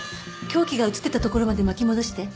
凶器が映ってたところまで巻き戻して。